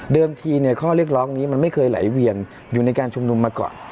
ทีข้อเรียกร้องนี้มันไม่เคยไหลเวียนอยู่ในการชุมนุมมาก่อน